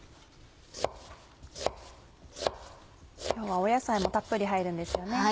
今日は野菜もたっぷり入るんですよね。